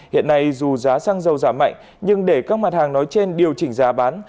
hiện nay dù giá xăng dầu giảm mạnh nhưng để các mặt hàng nói trên điều chỉnh giá bán